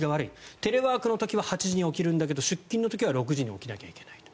テレワークの時は８時に起きるんだけど出勤の時は６時に起きなきゃいけない。